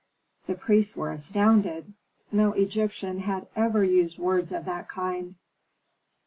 The priests were astounded. No Egyptian had ever used words of that kind.